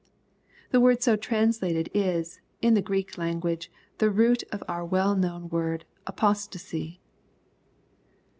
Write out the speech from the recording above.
] The word so translated, is, in the Greek language^ the root of our well known word "apostacy."